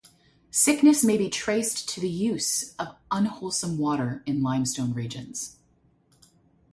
Sickness may be traced to the use of unwholesome water in limestone regions.